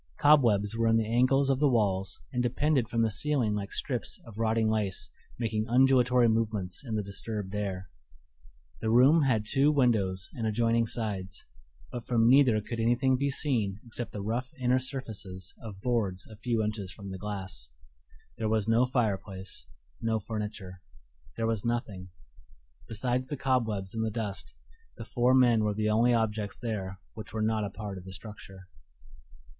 Cobwebs were in the angles of the walls and depended from the ceiling like strips of rotting lace making undulatory movements in the disturbed air. The room had two windows in adjoining sides, but from neither could anything be seen except the rough inner surfaces of boards a few inches from the glass. There was no fireplace, no furniture; there was nothing: besides the cobwebs and the dust, the four men were the only objects there which were not a part of the structure.